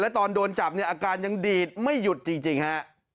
ตอนโดนจับเนี่ยอาการยังดีดไม่หยุดจริงฮะ